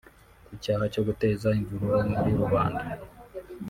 Ku cyaha cyo guteza imvururu muri rubanda